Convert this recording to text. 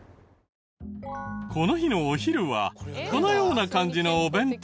この日のお昼はこのような感じのお弁当。